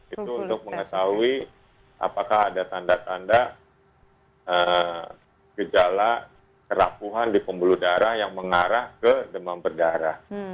itu untuk mengetahui apakah ada tanda tanda gejala kerapuhan di pembuluh darah yang mengarah ke demam berdarah